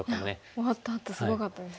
終わったあとすごかったですね。